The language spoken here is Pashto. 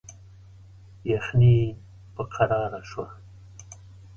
یخني په کراره شوه.